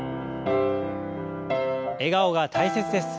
笑顔が大切です。